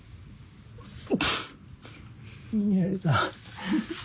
うっ逃げられた。